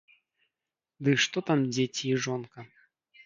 Ды што там дзеці і жонка.